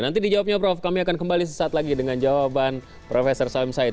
nanti dijawabnya prof kami akan kembali sesaat lagi dengan jawaban profesor salim said